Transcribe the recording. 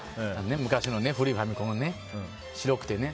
昔の古いファミコンね白くてね。